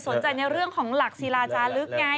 ในเรื่องของหลักศิลาจาลึกไง